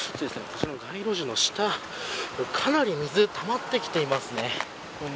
街路樹の下かなり水たまってきていますね。